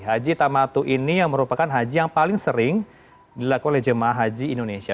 haji tamatu ini yang merupakan haji yang paling sering dilakukan oleh jemaah haji indonesia